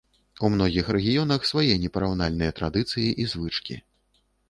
У многіх рэгіёнах свае непараўнальныя традыцыі і звычкі.